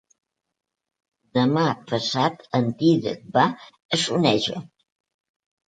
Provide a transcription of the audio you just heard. Demà passat en Dídac va a Soneja.